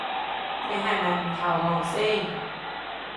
你係咪唔投降先